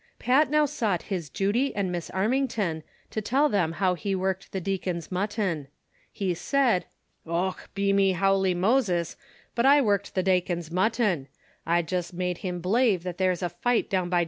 Pat novr sought his Judy and Miss Armington, to tell them how he worked the deacon's mutton. He said :" Och, be me howly :Moses, but T worked the dacon's mut ton ; I jist made him belave that there was a fight down by